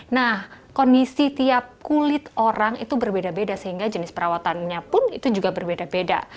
nah kondisi tiap kulit orang itu berbeda beda sehingga jenis perawatannya pun itu juga berbeda beda